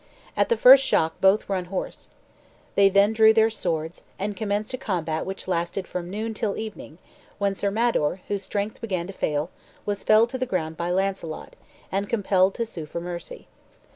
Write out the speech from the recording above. At the first shock both were unhorsed. They then drew their swords, and commenced a combat which lasted from noon till evening, when Sir Mador, whose strength began to fail, was felled to the ground by Launcelot, and compelled to sue for mercy.